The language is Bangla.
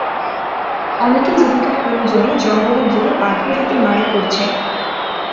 অনেকে জীবিকার প্রয়োজনে জঙ্গলে গিয়ে বাঘের হাতে মারা পড়ছে।